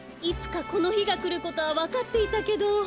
いつかこのひがくることはわかっていたけど。